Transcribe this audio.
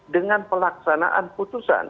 dengan pelaksanaan putusan